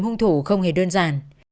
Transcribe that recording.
hung thủ không hề đơn giản